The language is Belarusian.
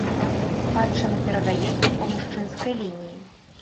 Спадчына перадаецца па мужчынскай лініі.